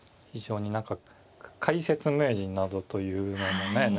非常に何か解説名人などという名でね